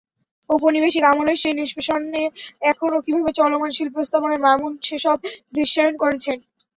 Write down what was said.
ঔপনিবেশিক আমলের সেই নিষ্পেষণ এখনো কীভাবে চলমান, শিল্পস্থাপনায় মামুন সেসব দৃশ্যায়ন করেছেন।